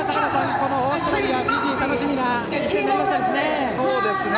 このオーストラリア、フィジー楽しみな一戦になりましたね。